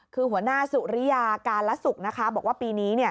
คือหัวหน้าสุริยากาลสุกนะคะบอกว่าปีนี้